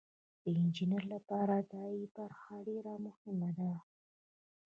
د انجینر لپاره د ای برخه ډیره مهمه ده.